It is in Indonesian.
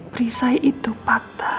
perisai itu patah